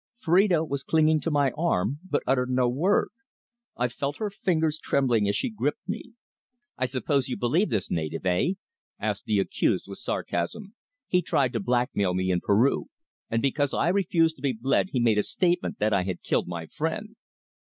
Phrida was clinging to my arm, but uttered no word. I felt her fingers trembling as she gripped me. "I suppose you believe this native eh?" asked the accused with sarcasm. "He tried to blackmail me in Peru, and because I refused to be bled he made a statement that I had killed my friend."